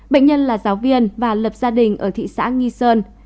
bệnh nhân là giáo viên và lập gia đình ở thị xã nghi sơn